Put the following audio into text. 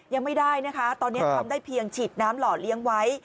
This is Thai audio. ยังไม่ได้นะคะตอนนี้ทำได้เพียงฉีดน้ำหล่อเลี้ยงไว้